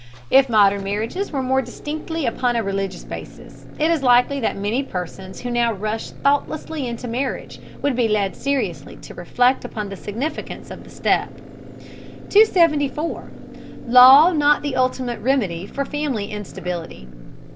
If modern marriages were more distinctly upon a religious basis, it is likely that many persons who now rush thoughtlessly into marriage would be led seriously to reflect upon the significance of the step. 274. LAW NOT THE UTLIMATE REMEDY FOR FAMILY INSTABILITY.